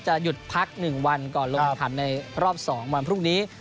จะหยุดพักหนึ่งวันก่อนลงอันขาดในรอบสองวันพรุ่งนี้